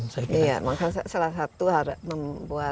maksud saya salah satu